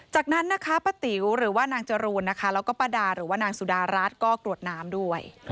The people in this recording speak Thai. จากนั้นนะคะป้าติ๋วหรือว่านางจรูนนะคะแล้วก็ป้าดาหรือว่านางสุดารัฐก็กรวดน้ำด้วย